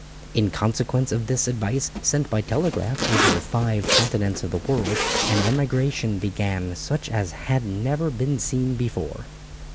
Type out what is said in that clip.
In consequence of this advice sent by telegraph over the five continents of the world an emigration began such as had never been seen before.